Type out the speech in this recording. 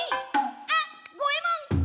「あ、ごえもん！